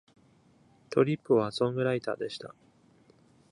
トリップはソングライターでした。